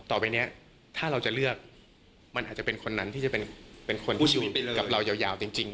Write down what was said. ต่อไปนี้ถ้าเราจะเลือกมันอาจจะเป็นคนนั้นที่จะเป็นคนที่ชีวิตกับเรายาวจริง